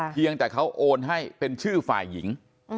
เพียงแต่เขาโอนให้เป็นชื่อฝ่ายหญิง